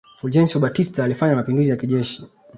Fulgencio Batista alifanya mapinduzi ya kijeshi